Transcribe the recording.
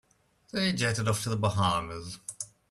They jetted off to the Bahamas.